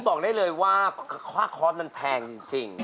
บอกได้เลยว่าภาคร้อยนั้นแพงจริง